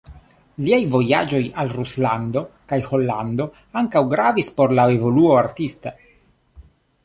Liaj vojaĝoj al Ruslando kaj Holando ankaŭ gravis por la evoluo artista.